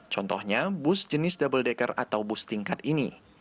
contohnya bus jenis double decker atau bus tingkat ini